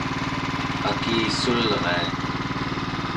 akissulria